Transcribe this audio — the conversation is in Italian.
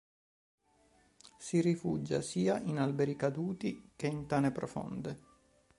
Si rifugia sia in alberi caduti che in tane profonde.